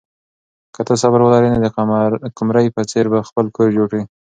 که ته صبر ولرې نو د قمرۍ په څېر به خپل کور جوړ کړې.